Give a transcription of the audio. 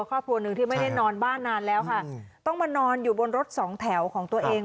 ครอบครัวหนึ่งที่ไม่ได้นอนบ้านนานแล้วค่ะต้องมานอนอยู่บนรถสองแถวของตัวเอง